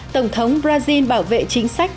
tổng thống brazil bảo vệ chính sách